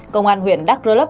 công an huyện đắk rơ lấp